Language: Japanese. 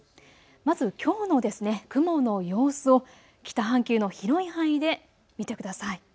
まず、きょうの雲の様子を北半球の広い範囲で見てください。